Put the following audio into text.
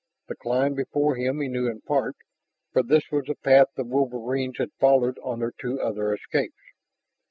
The climb before him he knew in part, for this was the path the wolverines had followed on their two other escapes.